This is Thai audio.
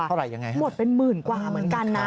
ยังไงหมดเป็นหมื่นกว่าเหมือนกันนะ